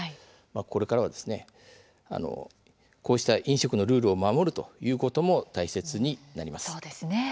これからはこうした飲食のルールを守ることも大切になります。